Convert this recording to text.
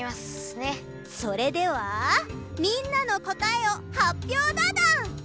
それではみんなのこたえをはっぴょうだドン！